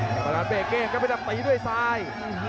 กำลังเบรกเกงนะครับเพชรดำตีด้วยทราย